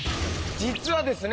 実はですね